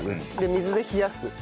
水で冷やす。